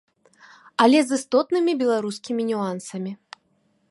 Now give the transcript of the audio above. Але з істотнымі беларускімі нюансамі.